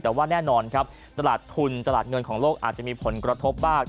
แต่ว่าแน่นอนครับตลาดทุนตลาดเงินของโลกอาจจะมีผลกระทบบ้าง